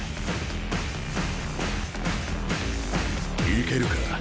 いけるか？